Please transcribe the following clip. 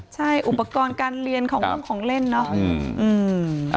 ใช่อุปกรณ์การเรียนของเล่นเนอะ